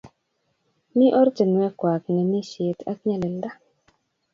Mi ortinwekwak ng'emisiet ak nyalilda.